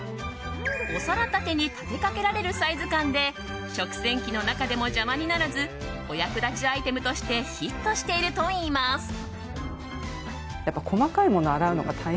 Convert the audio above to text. お皿立てに立てかけられるサイズ感で食洗機の中でも邪魔にならずお役立ちアイテムとしてヒットしているといいます。